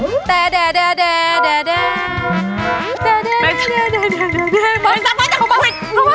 ไม่ทราบไม่ทราบเอาเข้ามา